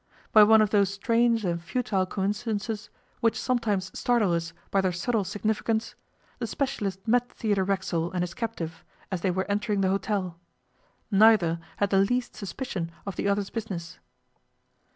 By one of those strange and futile coincidences which sometimes startle us by their subtle significance, the specialist met Theodore Racksole and his captive as they were entering the hotel. Neither had the least suspicion of the other's business.